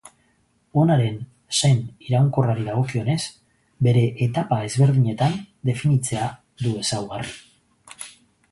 Onaren sen iraunkorrari dagokionez, bere etapa ezberdinetan definitzea du ezaugarri.